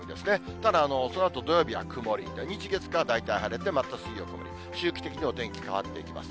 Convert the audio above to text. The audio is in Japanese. ただ、そのあと土曜日は曇り、日、月、火、大体晴れて、また水曜曇り、周期的にお天気変わっていきます。